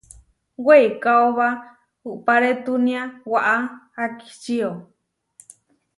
Weikaóba uʼparetúnia waʼá akíčio.